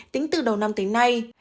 tính từ đầu năm tới nay